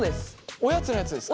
おやつのやつですか？